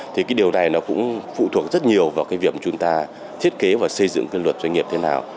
thì cái điều này nó cũng phụ thuộc rất nhiều vào cái việc chúng ta thiết kế và xây dựng cái luật doanh nghiệp thế nào